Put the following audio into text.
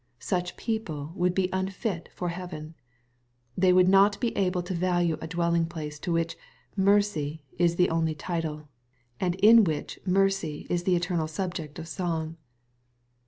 Such people would be unfit for heaven. They would not be able to value a dwelling place to which " mercy" ig the only title, and in "which " mercy" is the eternal sub ject of song.